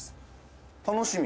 楽しみ